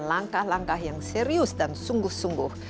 langkah langkah yang serius dan sungguh sungguh